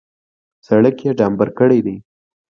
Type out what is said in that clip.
سړک یې ډامبر کړی دی.